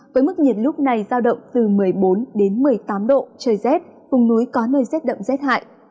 với mức nhiệt lúc này giao động từ một mươi bốn đến một mươi tám độ trời rét vùng núi có nơi rét đậm rét hại